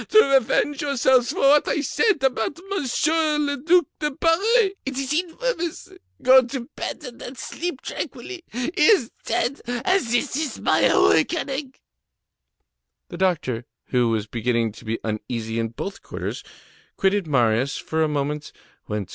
To revenge yourself for what I said to you about Monsieur le Duc de Berry. It is infamous! Go to bed then and sleep tranquilly! he is dead, and this is my awakening." The doctor, who was beginning to be uneasy in both quarters, quitted Marius for a moment, went to M.